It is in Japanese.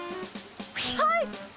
はい！